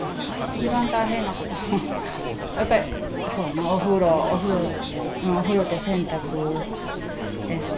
一番大変なことは、やっぱり、そうな、お風呂、お風呂と洗濯ですね。